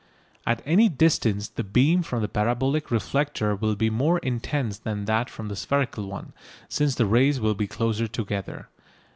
At any distance the beam from the parabolic reflector will be more intense than that from the spherical one, since the rays will be closer together.